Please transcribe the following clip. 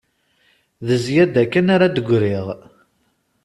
D zzyada kan ara d-griɣ